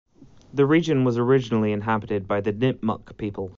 This region was originally inhabited by the Nipmuck people.